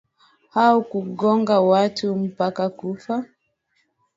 au kunyonga watu mpaka kufa